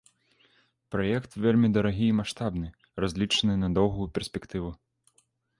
Праект вельмі дарагі і маштабны, разлічаны на доўгую перспектыву.